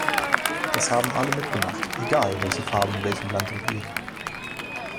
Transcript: Das haben alle mitgemacht, egal, welche Farbe in welchem Land regiert.